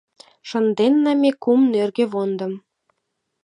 Шынденна ме кум нöргö вондым